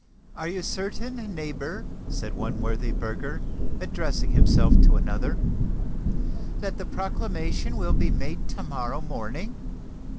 "Are you certain, neighbour," said one worthy burgher, addressing himself to another, "that the proclamation will be made to morrow morning?"